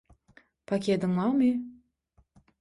– Pakediň bamy?